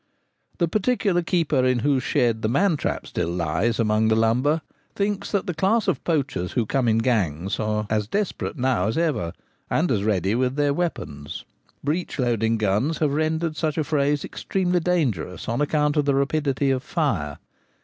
The particular keeper in whose shed the man trap still lies among the lumber thinks that the class of poachers who come in gangs are as desperate now as ever, and as ready with their weapons. Breech loading guns have rendered such affrays extremely dangerous on account of the rapidity of fire.